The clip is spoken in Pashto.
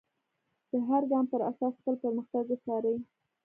د هر ګام پر اساس خپل پرمختګ وڅارئ.